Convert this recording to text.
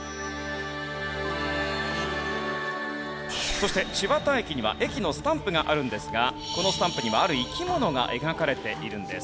そして千綿駅には駅のスタンプがあるんですがこのスタンプにはある生き物が描かれているんです。